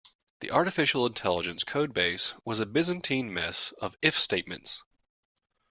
The artificial intelligence codebase was a byzantine mess of if statements.